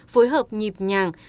phối hợp nhịp nhàng